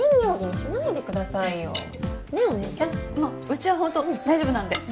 うちは本当大丈夫なんで。